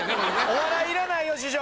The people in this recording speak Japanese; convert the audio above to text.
お笑いいらないよ師匠。